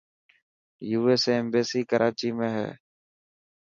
USA ايمبيسي ڪراچي ۾ هي .